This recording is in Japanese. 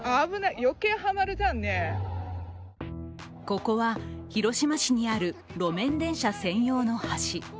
ここは広島市にある路面電車専用の橋。